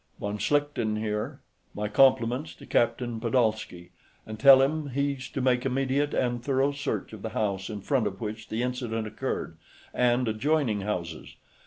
"Von Schlichten here; my compliments to Captain Pedolsky, and tell him he's to make immediate and thorough search of the house in front of which the incident occurred, and adjoining houses.